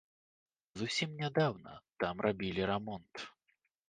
Зусім нядаўна там рабілі рамонт.